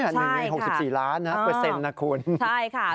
ใช่ค่ะเปอร์เซ็นต์นะคุณหนึ่งใน๖๔ล้านนะคุณใช่ค่ะ